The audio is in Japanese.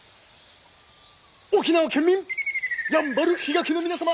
沖縄県民やんばる比嘉家の皆様！